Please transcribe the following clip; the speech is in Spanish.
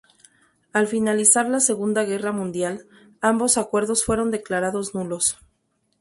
Al finalizar la Segunda Guerra Mundial, ambos acuerdos fueron declarados nulos.